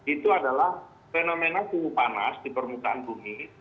itu adalah fenomena suhu panas di permukaan bumi